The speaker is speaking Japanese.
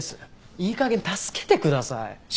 いいかげん助けてください。